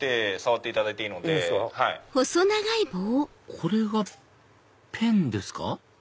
これがペンですか？